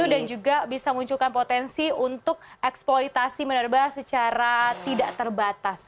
dan juga bisa munculkan potensi untuk eksploitasi minerba secara tidak terbatas